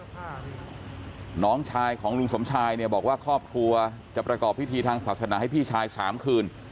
ค่ะน้องชายของลุงสมชายเนี่ยบอกว่าครอบครัวจะประกอบพิธีทางศาสนาให้พี่ชายสามคืน